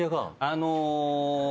あの。